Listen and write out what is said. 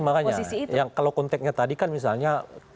makanya kalau konteknya tadi kan misalnya